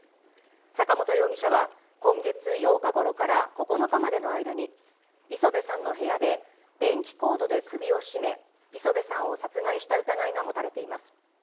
坂本容疑者は今月８日ごろから９日までの間に、礒辺さんの部屋で電気コードで首を絞め、礒辺さんを殺害した疑いが持たれています。